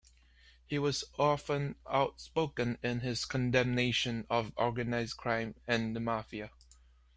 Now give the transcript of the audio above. He was often outspoken in his condemnation of organized crime and the mafia.